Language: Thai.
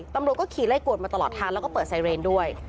ตำรวจก็ขี่ไล่กวดมาตลอดทางแล้วก็เปิดไซเรนด้วย